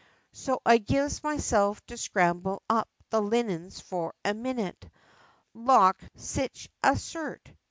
So I gives myself to scramble up the linens for a minute, Lawk, sich a shirt!